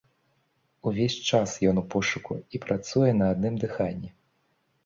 Увесь час ён у пошуку і працуе на адным дыханні.